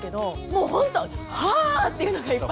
もうほんとハー！っていうのがいっぱいある。